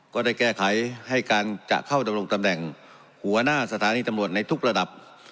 ก็ได้แก้ไขให้การจะเข้าดำรงตำแหน่งหัวหน้าสถานีตำรวจในทุกระดับ